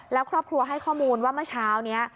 แล้วครอบครัวให้ข้อมูลว่าเมื่อเช้านี้